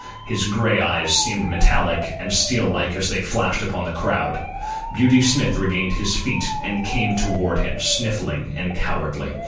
His grey eyes seemed metallic and steel like as they flashed upon the crowd. Beauty Smith regained his feet and came toward him, sniffling and cowardly.